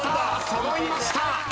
揃いました。